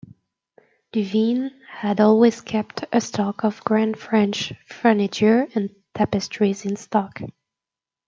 Duveen had always kept a stock of grand French furniture and tapestries in stock.